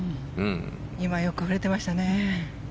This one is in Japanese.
今、よく振れてましたね。